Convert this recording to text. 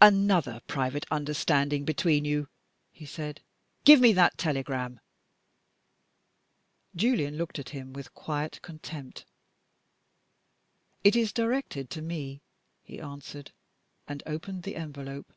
"Another private understanding between you!" he said. "Give me that telegram." Julian looked at him with quiet contempt. "It is directed to Me," he answered and opened the envelope.